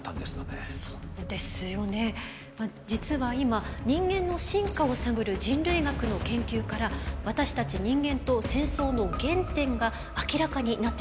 実は今人間の進化を探る人類学の研究から私たち人間と戦争の原点が明らかになってきているんです。